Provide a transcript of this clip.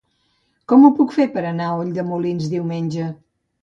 Com ho puc fer per anar a Ulldemolins diumenge?